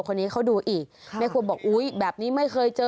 คนนี้เขาดูอีกแม่ครัวบอกอุ้ยแบบนี้ไม่เคยเจอ